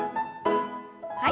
はい。